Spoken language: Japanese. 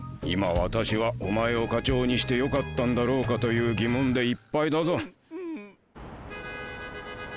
今私はお前を課長にしてよかったんだろうかという疑問でいっぱいだぞ。